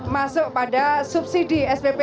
masuk pada subsidi spp